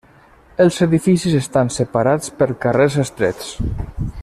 Els edificis estan separats per carrers estrets.